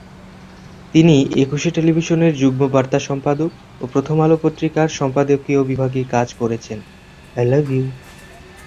তিনি একুশে টেলিভিশনের যুগ্ম বার্তা সম্পাদক ও প্রথম আলো পত্রিকার সম্পাদকীয় বিভাগে কাজ করেছেন।